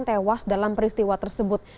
tewas dalam peristiwa tersebut